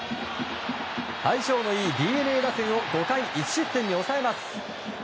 相性の良いＤｅＮＡ打線を５回１失点に抑えます。